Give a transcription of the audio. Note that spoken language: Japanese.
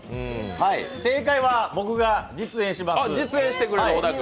正解は僕が実演します。